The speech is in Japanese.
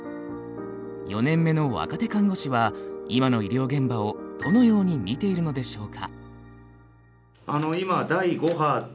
４年目の若手看護師は今の医療現場をどのように見ているのでしょうか。